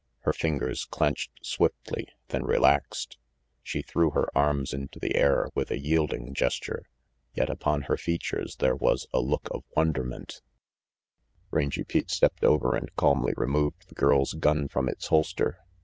Her fingers clenched swiftly, then relaxed. She threw her arms into the air with a yielding gesture; yet upon her features there was a look of wonderment. 296 RANGY PETE Rangy Pete stepped over and calmly removed the girl's gun from its holster.